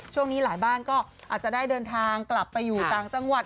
ช่วงนี้หลายบ้านก็อาจจะได้เดินทางกลับไปอยู่ต่างจังหวัด